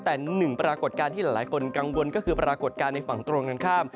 แต่หนึ่งปรากฏการณ์ที่หลายคนกังวลก็คือปรากฏการณ์ในฝั่งตรงกันข้าม